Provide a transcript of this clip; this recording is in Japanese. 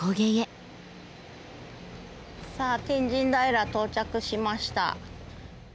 さあ天神平到着しました。